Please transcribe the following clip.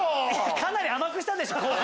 かなり甘くしたでしょ後半。